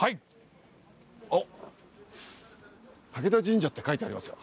武田神社って書いてありますよ。